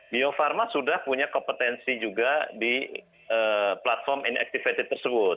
bio farma sudah punya kompetensi juga di platform inectivated tersebut